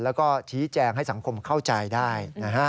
แล้วก็ชี้แจงให้สังคมเข้าใจได้นะฮะ